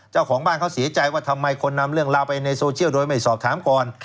เจ้าของบ้านเขาเสียใจว่าทำไมคนนำเรื่องราวไปในโซเชียลโดยไม่สอบถามก่อน